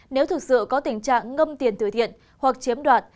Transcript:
nếu thực sự có tình trạng ngâm tiền tử thiện hoặc chiếm đoạt